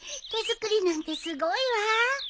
手作りなんてすごいわ。